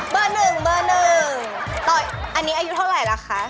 เบอร์หนึ่งต่อยอันนี้อายุเท่าไรล่ะคะ